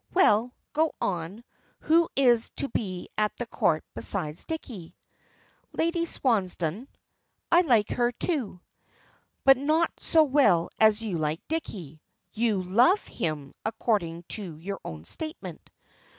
"Well, go on, who is to be at the Court besides Dicky?" "Lady Swansdown." "I like her too." "But not so well as you like Dicky, you love him according to your own statement."